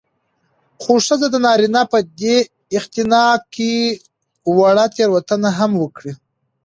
خو ښځه د نارينه په دې اختناق کې که وړه تېروتنه هم وکړي